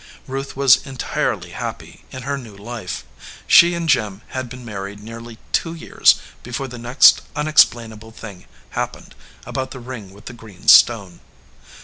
Ruth was entirely happy in her new life. She and Jim had been married nearly two years before the next unexplainable thing hap pened about the ring with the green stone.